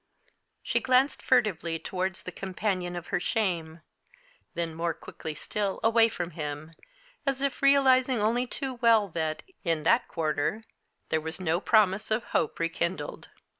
She glanced furtively towards the companion of her shame; then more quickly still away from him, as if realising only too well that, in that quarter, there was no promise of hope rekindled.